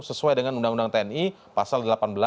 sesuai dengan undang undang tni pasal